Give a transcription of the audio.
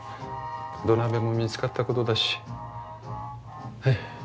土鍋も見つかったことだし。